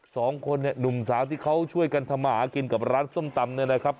สองคนเนี่ยหนุ่มสาวที่เขาช่วยกันทำมาหากินกับร้านส้มตำเนี่ยนะครับ